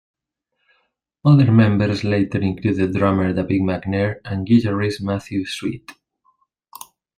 Other members later included drummer David McNair and guitarist Matthew Sweet.